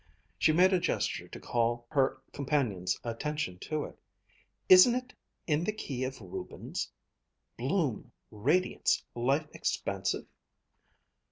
She made a gesture to call her companions' attention to it "Isn't it in the key of Rubens bloom, radiance, life expansive!"